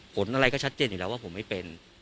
ผลอะไรก็ชัดเจนอยู่แล้วว่าผมไม่เป็น